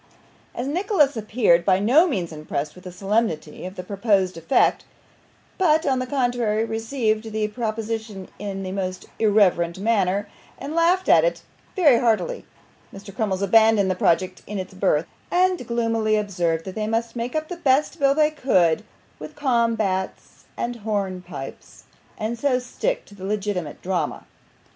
As Nicholas appeared by no means impressed with the solemnity of the proposed effect, but, on the contrary, received the proposition in a most irreverent manner, and laughed at it very heartily, Mr. Crummles abandoned the project in its birth, and gloomily observed that they must make up the best bill they could with combats and hornpipes, and so stick to the legitimate drama.